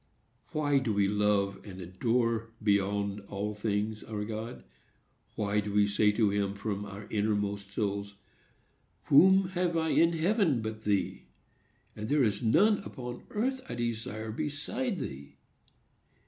Why do we love and adore, beyond all things, our God? Why do we say to him, from our inmost souls, "Whom have I in heaven but thee, and there is none upon earth I desire beside thee"?